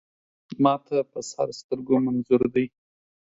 ما ته په سر سترګو منظور دی.